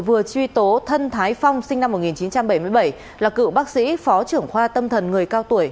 vừa truy tố thân thái phong sinh năm một nghìn chín trăm bảy mươi bảy là cựu bác sĩ phó trưởng khoa tâm thần người cao tuổi